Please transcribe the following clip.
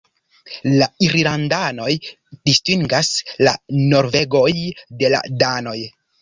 La irlandanoj distingas la norvegoj de la danoj.